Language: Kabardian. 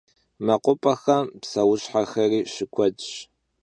Mekhup'exem pseuşhexeri şıkuedş.